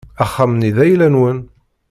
Axxam-nni d ayla-nwen.